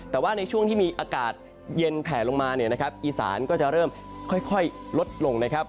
แต่ว่าในช่วงที่มีอากาศเย็นแผลลงมาเนี่ยนะครับอีสานก็จะเริ่มค่อยลดลงนะครับ